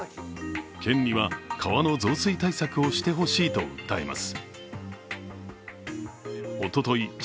県には川の増水対策をしてほしいと訴えます。